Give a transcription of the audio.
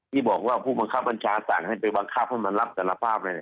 ที่บอกว่าผู้บังคับบัญชาสั่งให้ไปบังคับให้มันรับสารภาพเลย